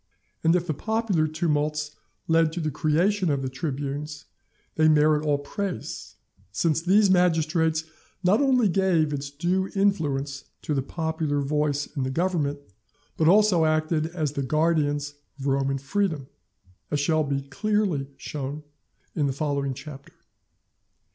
And if the popular tumults led the creation of the tribunes, they merit all praise; since these magistrates not only gave its due influence to the popular voice in the government, but also acted as the guardians of Roman freedom, as shall be clearly shown in the following Chapter.